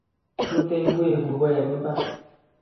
Bute ingwek kugo eng mbar